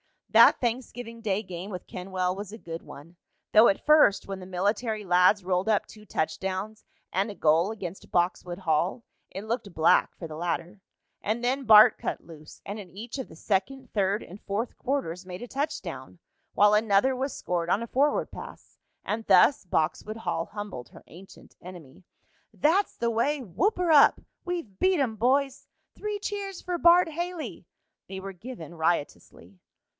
That Thanksgiving Day game with Kenwell was a good one, though at first, when the military lads rolled up two touchdowns and a goal against Boxwood Hall, it looked black for the latter. And then Bart cut loose, and in each of the second, third and fourth quarters made a touchdown, while another was scored on a forward pass, and thus Boxwood Hall humbled her ancient enemy. "That's the way!" "Whoop her up!" "We've beat 'em, boys!" "Three cheers for Bart Haley!" They were given riotously.